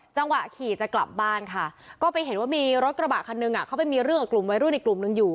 จังหวะขี่จะกลับบ้านค่ะก็ไปเห็นว่ามีรถกระบะคันหนึ่งเข้าไปมีเรื่องกับกลุ่มวัยรุ่นอีกกลุ่มหนึ่งอยู่